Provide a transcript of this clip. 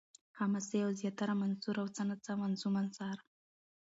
حماسې او زياتره منثور او څه نا څه منظوم اثار